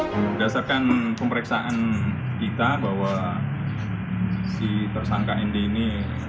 berdasarkan pemeriksaan kita bahwa si tersangka nd ini